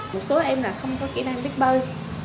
một số em là không có kỹ năng biết bơi